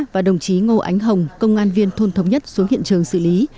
và đồng chí ngô ánh hồng công an viên thôn thống nhất xuống hiện trường xử lý